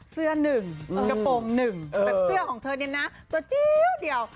เสื้อหนึ่งกระโปรงหนึ่งแต่เสื้อของเธอเนี่ยนะตัวจิ๊วเดียว